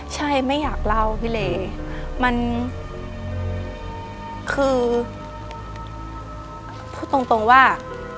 ใช่ไม่อยากเล่าพี่เลมันคือพูดตรงว่า